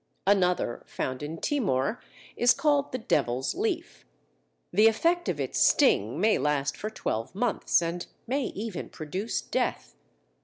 Another found in Timor is called the Devil's Leaf; the effect of its sting may last for twelve months and may even produce death.